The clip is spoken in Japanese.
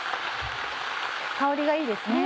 香りがいいですね。